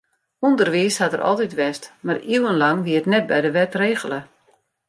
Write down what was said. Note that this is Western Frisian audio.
Underwiis hat der altyd west, mar iuwenlang wie it net by de wet regele.